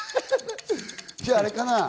じゃ、あれかな。